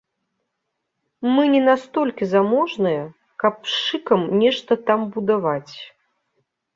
Мы не настолькі заможныя, каб з шыкам нешта там будаваць.